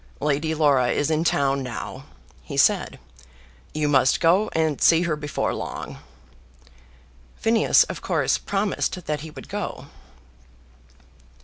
"Lady Laura is in town now," he said; "you must go and see her before long." Phineas of course promised that he would go.